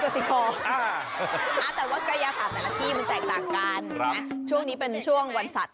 ติดฟันก็ยังดีกว่าติดขอ